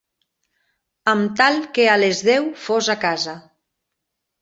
Am tal que a les dèu fos a casa